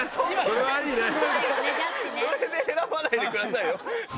それで選ばないでくださいよ。